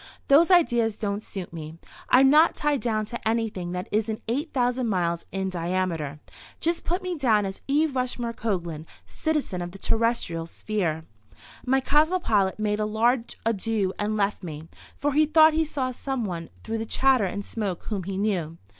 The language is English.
Those ideas don't suit me. I'm not tied down to anything that isn't 8,000 miles in diameter. Just put me down as E. Rushmore Coglan, citizen of the terrestrial sphere." My cosmopolite made a large adieu and left me, for he thought he saw some one through the chatter and smoke whom he knew.